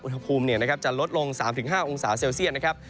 อุณหภูมิจะลดลง๓๕องศาเซลเซียตนะครับ